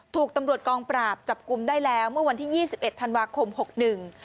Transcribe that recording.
ถูกตำรวจกองปราบจับกลุ่มได้แล้วเมื่อวันที่ยี่สิบเอ็ดธันวาคมหกหนึ่ง